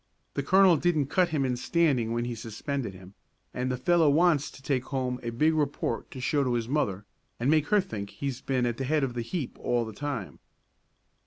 The colonel didn't cut him in standing when he suspended him, and the fellow wants to take home a big report to show to his mother, and make her think he's been at the head of the heap all the time."